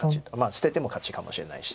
捨てても勝ちかもしれないし。